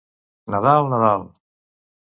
Nadal, Nadal!